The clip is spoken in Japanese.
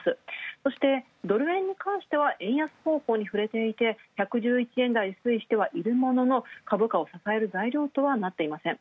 そしてドル円に関しては円安方向に触れていて、１１円台を推移してはいるものの株価を支える材料とはなっていない。